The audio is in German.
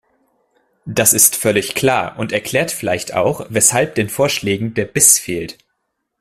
Das ist völlig klar und erklärt vielleicht auch, weshalb den Vorschlägen der Biss fehlt.